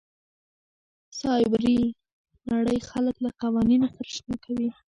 سایبري نړۍ خلک له قوانینو سره اشنا کوي.